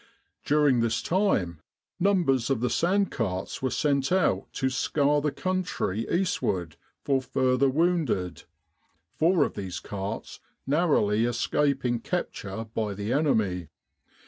During this time numbers of the sand carts were sent out to scour the country east ward for further wounded, four of these carts narrowly escaping capture by the enemy.